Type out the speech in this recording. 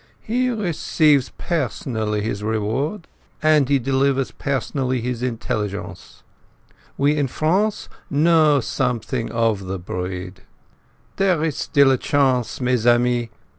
He receives personally his reward, and he delivers personally his intelligence. We in France know something of the breed. There is still a chance, mes amis.